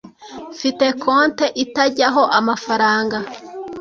Mfite konti itajyaho amafaranga.